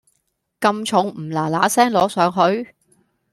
咁重唔嗱嗱聲攞上去？